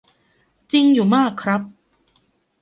จริงอยู่มากครับ.